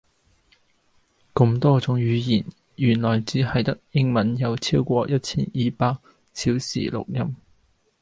咁多種語言原來只係得英文有超過一千二百小時錄音